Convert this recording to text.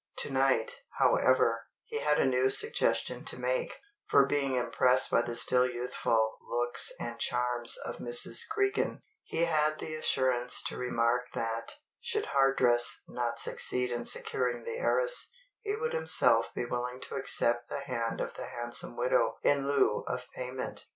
To night, however, he had a new suggestion to make; for being impressed by the still youthful looks and charms of Mrs. Cregan, he had the assurance to remark that, should Hardress not succeed in securing the heiress, he would himself be willing to accept the hand of the handsome widow in lieu of payment.